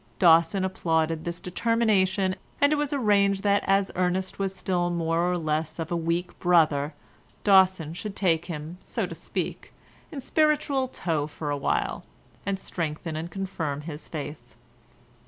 Dawson applauded this determination, and it was arranged that as Ernest was still more or less of a weak brother, Dawson should take him, so to speak, in spiritual tow for a while, and strengthen and confirm his faith.